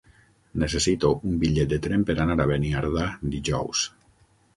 Necessito un bitllet de tren per anar a Beniardà dijous.